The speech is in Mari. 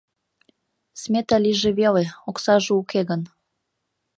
Смета лийже веле, оксаже уке гын...